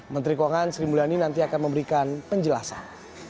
menteri keuangan sri mulyani nanti akan memberikan penjelasan